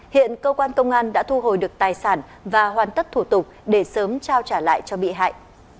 hiện cơ quan công an đã thu hồi được tài sản và hoàn tất thủ tục để sớm trao trả lại cho bị hại